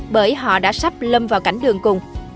bởi họ đã sắp lâm vào cảnh đường cùng